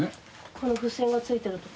この付箋が付いてるところ？